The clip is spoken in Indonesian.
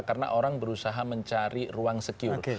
karena orang berusaha mencari ruang secure